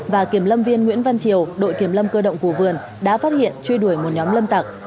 và kiểm lâm viên nguyễn văn triều đội kiểm lâm cơ động của vườn đã phát hiện truy đuổi một nhóm lâm tặc